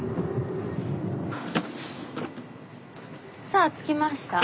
さあ着きました。